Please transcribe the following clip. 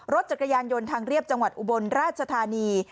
รถจักรยานยนต์ทางเรียบจังหวัดอุบลราชธานี